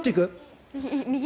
右？